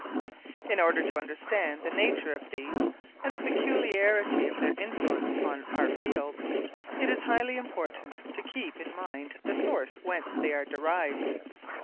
In order to understand the nature of these, and the peculiarity of their influence upon our fields, it is highly important to keep in mind the source whence they are derived.